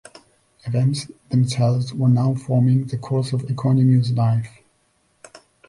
Events themselves were now forming the course of Economou's life.